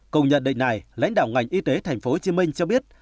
cùng nhận định này lãnh đạo ngành y tế tp hcm cho biết